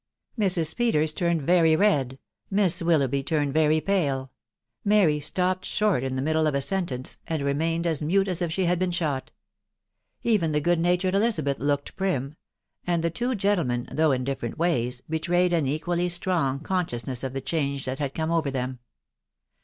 Mrs. Peters turned very red; Miss Willoughby turned very pale ; Mary stopped short in the middle of a sen tence, and remained as mute as if she had been shot ; even the good natured Elizabeth looked prim ; and the two gentlemen, though in different ways, betrayed an equally strong conscious ness of the change that had come over them.